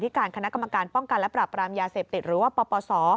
การคณะกรรมการป้องกันและปราบรามยาเสพติดหรือว่าปปศ